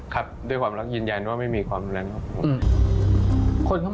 ครับด้วยความรักยืนยันว่าไม่มีความรุนแรงครับผม